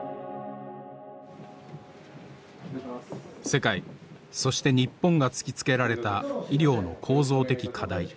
世界そして日本が突きつけられた医療の構造的課題。